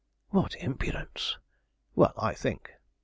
'What impudence!' 'Well, I think!'